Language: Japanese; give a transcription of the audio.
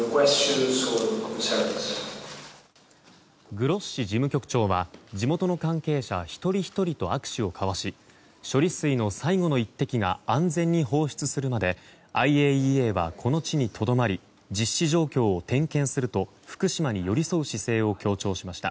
グロッシ事務局長は地元の関係者一人ひとりと握手を交わし処理水の最後の一滴が安全に放出するまでＩＡＥＡはこの地にとどまり実施状況を点検すると福島に寄り添う姿勢を強調しました。